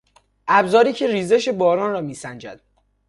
ابزاری که ریزش باران را میسنجد